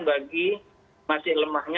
bagi masih lemahnya